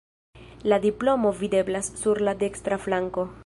La diplomo videblas sur la dekstra flanko.